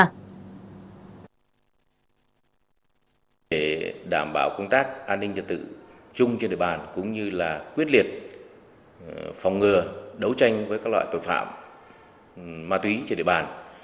công an huyện trảng bom đã đảm bảo công tác an ninh nhân tự chung trên địa bàn cũng như là quyết liệt phòng ngừa đấu tranh với các loại tội phạm ma túy trên địa bàn